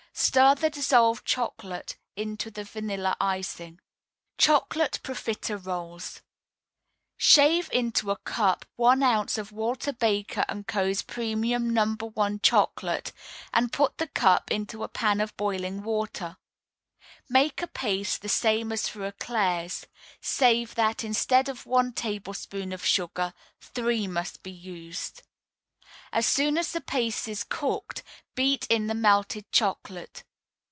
Stir the dissolved chocolate into the vanilla icing. CHOCOLATE PROFITEROLES Shave into a cup one ounce of Walter Baker & Co.'s Premium No. 1 Chocolate, and put the cup into a pan of boiling water. Make a paste the same as for éclairs, save that instead of one tablespoonful of sugar three must be used. As soon as the paste is cooked, beat in the melted chocolate.